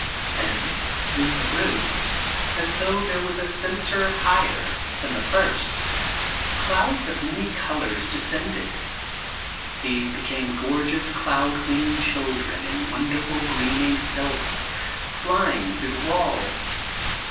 ^ Then through the roof, as though there were a censer higher than the first, clouds of many colors descended. These became gor geous cloud winged children in wonderful, gleaming silks, flying through the walls.